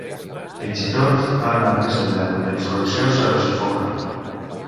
Fins i tot, ha anat més enllà: La insurrecció se sufoca.